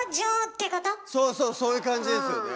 そうそうそういう感じですよね。